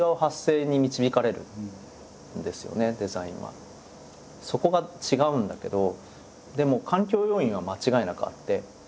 そういうことでそこが違うんだけどでも環境要因は間違いなくあって。